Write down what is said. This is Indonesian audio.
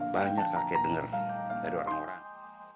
banyak kakek dengar dari orang orang